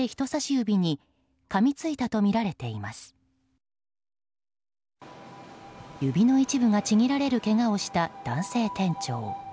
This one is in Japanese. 指の一部がちぎられるけがをした男性店長。